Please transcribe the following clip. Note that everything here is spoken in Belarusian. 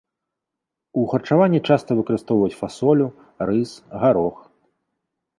У харчаванні часта выкарыстоўваюць фасолю, рыс, гарох.